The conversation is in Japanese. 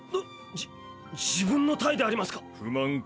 じ自分の隊でありますか⁉不満か？